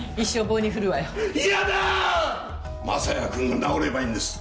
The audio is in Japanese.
雅也君が治ればいいんです。